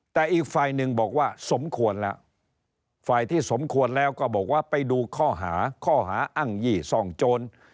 แต่อีกฝ่ายหนึ่งบอกว่าสมควรแล้วฝ่ายที่สมควรแล้วก็บอกว่าไปดูข้อหาข้อหาอ้างยี่ซ่องโจร